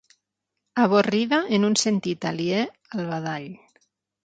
Avorrida en un sentit aliè al badall.